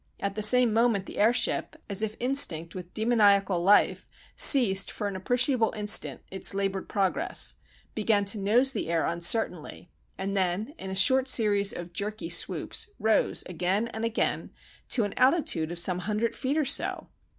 At the same moment the airship, as if instinct with demoniacal life, ceased for an appreciable instant its laboured progress, began to nose the air uncertainly, and then in a short series of jerky swoops rose, again and again, to an altitude of some hundred feet or so.